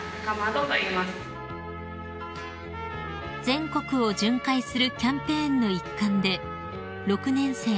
［全国を巡回するキャンペーンの一環で６年生